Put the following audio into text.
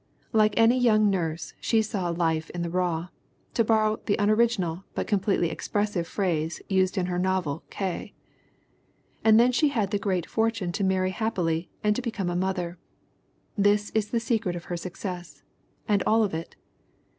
Like any young nurse, she saw "life in the raw," to borrow the unoriginal but com pletely expressive phrase used in her novel K. And then she had the great fortune to marry happily and to become a mother. This is the secret of her success, and all of it.